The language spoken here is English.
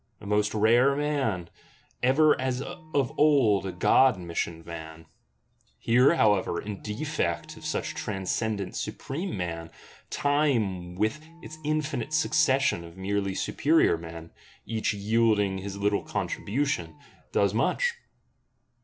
A most rare man; ever as of old a god missioned man! Here, however, in defect of such transcendent supreme man, Time with its infinite succession of merely superior men, each yielding his little contribution, does much.